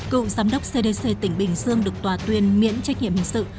cựu giám đốc cdc tỉnh bình dương được tòa tuyên miễn trách nhiệm hình sự